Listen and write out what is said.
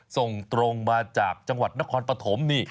ส่งตรงมาจากจังหวัดนครปฐมนี่